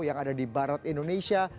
yang ada di barat indonesia